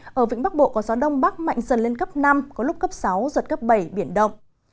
trên biển trở đi ở vĩnh bắc bộ có gió đông bắc mạnh dần lên cấp năm có lúc cấp sáu giật cấp bảy biển động